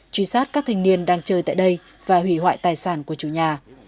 truy sát các thanh niên đang chơi tại đây và hủy hoại tài sản của chủ nhà